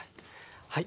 はい。